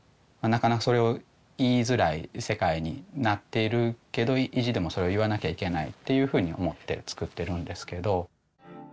なかなかそれを言いづらい世界になっているけど意地でもそれを言わなきゃいけないっていうふうに思って作ってるんですけど。